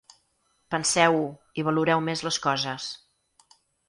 Penseu-ho i valoreu més les coses.